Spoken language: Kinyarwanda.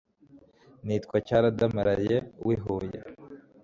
nitwa cyaradamaraye. w'ihuye